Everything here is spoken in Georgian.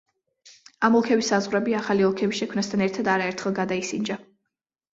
ამ ოლქების საზღვრები, ახალი ოლქების შექმნასთან ერთად არაერთხელ გადაისინჯა.